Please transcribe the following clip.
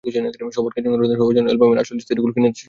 সবার কাছে অনুরোধ, সবাই যেন অ্যালবামের আসল সিডি কিনে গানগুলো শোনেন।